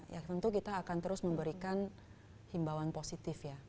ya tentu kita akan terus memberikan himbawan positif ya